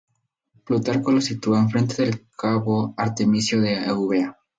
Plutarco lo sitúa enfrente del cabo Artemisio de Eubea.